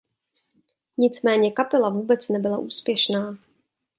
Nicméně kapela vůbec nebyla úspěšná.